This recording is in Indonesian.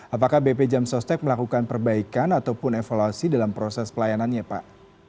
apakah bp jam sostek melakukan perbaikan ataupun evaluasi dalam proses pelayanannya pak